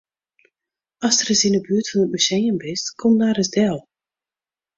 Ast ris yn 'e buert fan it museum bist, kom dan ris del.